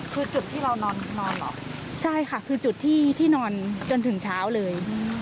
คือจุดที่เรานอนหรอกใช่ค่ะคือจุดที่ที่นอนจนถึงเช้าเลย